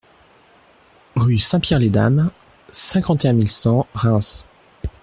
Rue Saint-Pierre les Dames, cinquante et un mille cent Reims